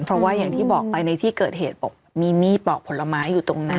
เพราะว่าอย่างที่บอกไปในที่เกิดเหตุบอกมีมีดปอกผลไม้อยู่ตรงนั้น